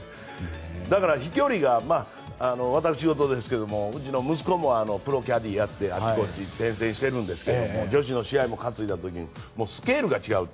だから飛距離が私事ですけどうちの息子もプロキャディーをやっていてあちこちに転戦しているんですが女子の試合も担いだ時にもうスケールが違うと。